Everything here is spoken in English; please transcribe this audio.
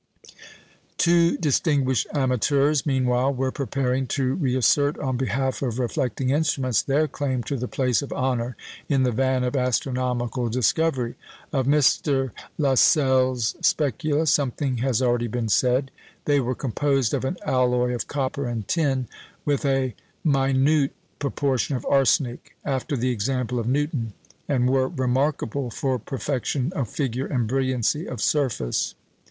Two distinguished amateurs, meanwhile, were preparing to reassert on behalf of reflecting instruments their claim to the place of honour in the van of astronomical discovery. Of Mr. Lassell's specula something has already been said. They were composed of an alloy of copper and tin, with a minute proportion of arsenic (after the example of Newton), and were remarkable for perfection of figure and brilliancy of surface.